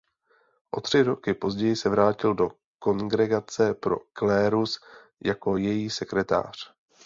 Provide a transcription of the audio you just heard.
O tři roky později se vrátil do Kongregace pro klérus jako její sekretář.